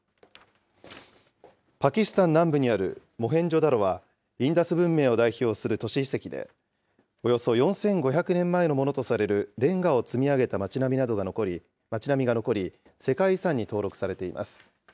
パキスタン南部にあるモヘンジョダロは、インダス文明を代表する都市遺跡で、およそ４５００年前のものとされるレンガを積み上げた町並みが残り、世界遺産に登録されています。